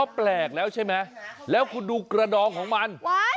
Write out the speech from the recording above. แปลกแล้วใช่ไหมแล้วคุณดูกระดองของมัน